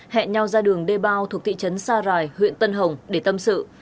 hẹn nhau ra đường đê bao thuộc thị trấn sa rài huyện tân hồng để tâm sự